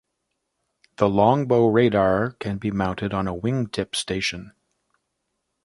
The Longbow radar can be mounted on a wingtip station.